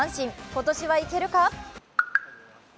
今年はいけるか？